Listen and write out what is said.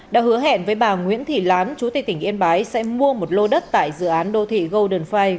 đã hứa hẹn với bà nguyễn thị lán chú tây tỉnh yên bái sẽ mua một lô đất tại dự án đô thị golden fire